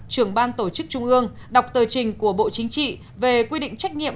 trưởng ban tổ chức trung ương đọc tờ trình của bộ chính trị về quy định trách nhiệm